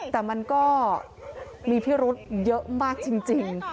แต่มันก็มีพิรุธเยอะมากจริง